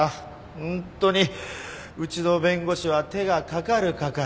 ホントにうちの弁護士は手がかかるかかる。